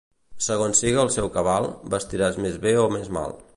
Segons siga el teu cabal, vestiràs més bé o més mal.